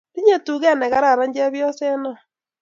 Tinye tuget ne kararan chepyoset no